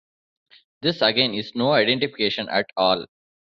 This, again, is no identification at all.